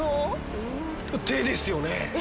手ですよね。